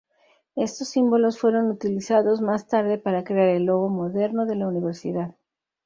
Estos símbolos fueron utilizados más tarde para crear el logo moderno de la universidad.